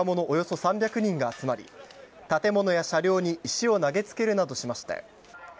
およそ３００人が集まり建物や車両に石を投げつけるなどしました。